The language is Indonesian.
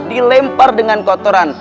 dilempar dengan kotoran